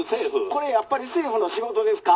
「これやっぱり政府の仕事ですか？」。